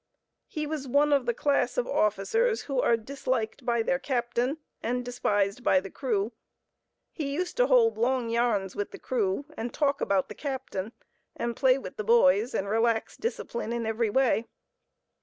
He was one of the class of officers who are disliked by their captain and despised by the crew. He used to hold long yarns with the crew, and talk about the captain, and play with the boys, and relax discipline in every way.